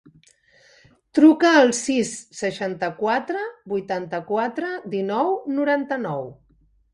Truca al sis, seixanta-quatre, vuitanta-quatre, dinou, noranta-nou.